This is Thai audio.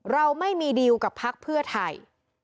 เราไม่มีดีลกับพักเพื่อไทย